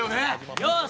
よし！